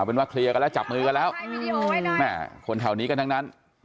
เป็นว่าเคลียร์กันแล้วจับมือกันแล้วแม่คนแถวนี้กันทั้งนั้น